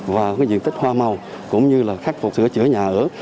và cái diện tích hoa màu cũng như là khắc phục sửa chữa nhà ở